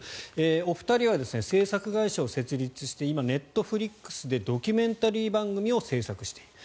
お二人は制作会社を設立して今、ネットフリックスでドキュメンタリー番組を制作している。